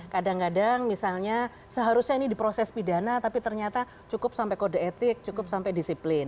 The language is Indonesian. kadang kadang misalnya seharusnya ini diproses pidana tapi ternyata cukup sampai kode etik cukup sampai disiplin